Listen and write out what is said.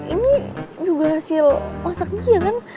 ini juga hasil masak dia kan